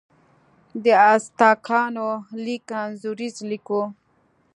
د ازتکانو لیک انځوریز لیک و.